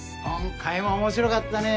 ・今回も面白かったね。